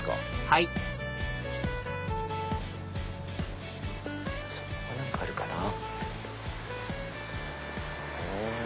はい何かあるかな？